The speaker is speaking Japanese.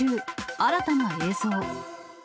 新たな映像。